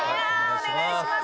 お願いします。